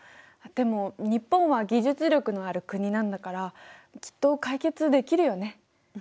でも日本は技術力のある国なんだからきっと解決できるよね？